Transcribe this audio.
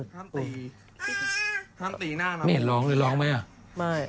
ห้ามตีหน้าหรอถ้าไม่เห็นร้องเลยร้องไหมอะ